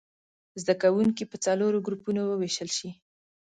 زده کوونکي په څلورو ګروپونو ووېشل شي.